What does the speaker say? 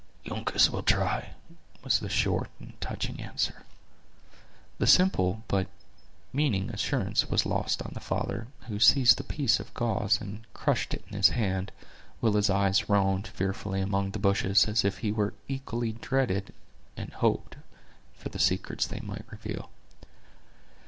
"Uncas will try," was the short and touching answer. The simple but meaning assurance was lost on the father, who seized the piece of gauze, and crushed it in his hand, while his eyes roamed fearfully among the bushes, as if he equally dreaded and hoped for the secrets they might reveal.